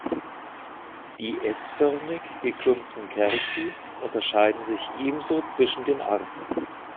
Die S-förmig gekrümmten Cerci unterscheiden sich ebenso zwischen den Arten.